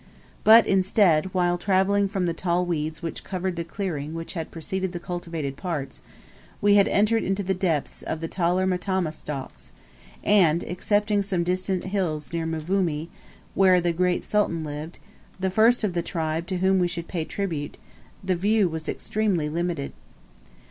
But instead, while travelling from the tall weeds which covered the clearing which had preceded the cultivated parts, we had entered into the depths of the taller matama stalks, and, excepting some distant hills near Mvumi, where the Great Sultan lived the first of the tribe to whom we should pay tribute the view was extremely limited.